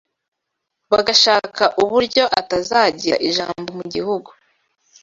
bagashaka uburyo atazagira ijambo mu gihugu